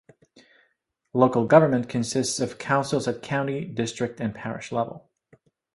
Local government consists of councils at county, district and parish level.